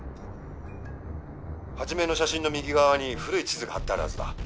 始の写真の右側に古い地図が張ってあるはずだ。